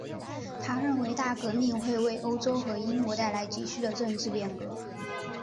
他认为大革命会为欧洲和英国带来急需的政治变革。